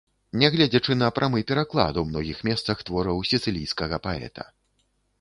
Нягледзячы на прамы пераклад у многіх месцах твораў сіцылійскага паэта.